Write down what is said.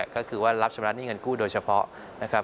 ก็คือว่ารับชำระหนี้เงินกู้โดยเฉพาะนะครับ